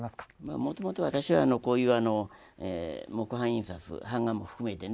もともと私はこういう木版印刷版画も含めてね。